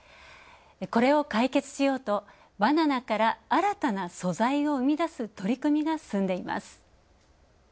これを解決しようと、バナナから新たな素材を生み出す取り組みが進んでいます。